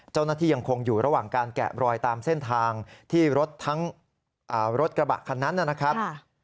ยังคงอยู่ระหว่างการแกะรอยตามเส้นทางที่รถทั้งรถกระบะคันนั้นนะครับ